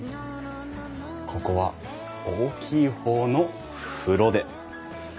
ここは大きい方の風呂で。